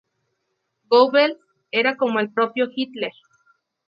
Goebbels —era como el propio Hitler.